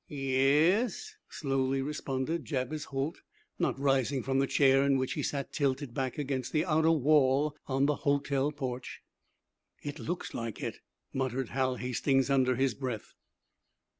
"Ye es," slowly responded Jabez Holt, not rising from the chair in which he sat tilted back against the outer wall on the hotel porch. "It looks like it," muttered Hal Hastings, under his breath.